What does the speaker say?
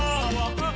あっ！